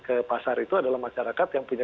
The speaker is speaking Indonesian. ke pasar itu adalah masyarakat yang punya